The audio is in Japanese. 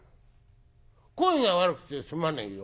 声が悪くてすまねえよ」。